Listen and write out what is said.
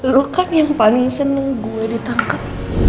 lo kan yang paling seneng gue ditangkep